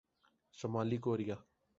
شمالی کوریا